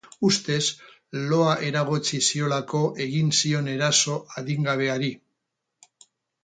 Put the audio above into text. Ustez, loa eragotzi ziolako egin zion eraso adingabeari.